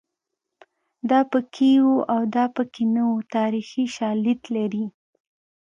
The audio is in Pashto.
دا پکې وو او دا پکې نه وو تاریخي شالید لري